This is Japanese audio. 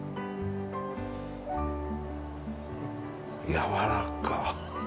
やわらかっ。